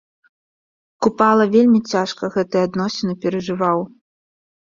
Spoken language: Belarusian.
Купала вельмі цяжка гэтыя адносіны перажываў.